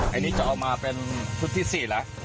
อันนี้จะเอามาเป็นทุ่ศที่๔เหรอ